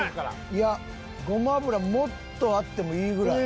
いやごま油もっとあってもいいぐらい。